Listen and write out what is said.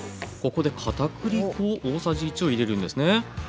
ここでかたくり粉大さじ１を入れるんですね。